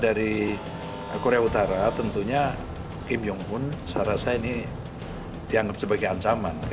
dari korea utara tentunya kim jong pun saya rasa ini dianggap sebagai ancaman